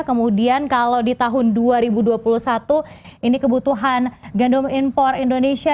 kemudian kalau di tahun dua ribu dua puluh satu ini kebutuhan gandum impor indonesia